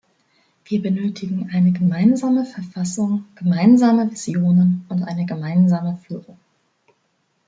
Wir benötigen eine gemeinsame Verfassung, gemeinsame Visionen und eine gemeinsame Führung.